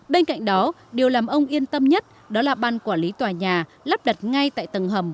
bên cạnh đó điều làm ông yên tâm nhất đó là ban quản lý tòa nhà lắp đặt ngay tại tầng hầm